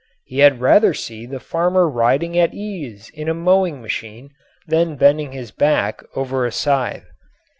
He had rather see the farmer riding at ease in a mowing machine than bending his back over a scythe.